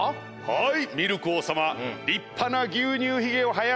はい！